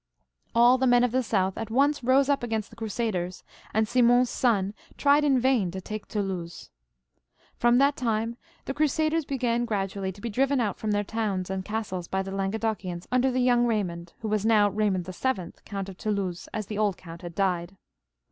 ^ All the men of the south at once rose up against the crusaders, and Simon's son tried in vain to take Toulouse. From that time the crusaders began gradually to be driven out fix)m their towns abd castles by the Languedocians under the young Eaymond, who was now Eaymond VII., Count of Toulouse, as the old count had died.